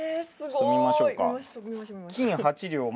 ちょっと見ましょうか。